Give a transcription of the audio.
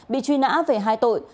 bị truy nã về hai tội